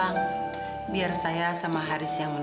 aku mau menerima kenyataan bahwa taufan udah meninggal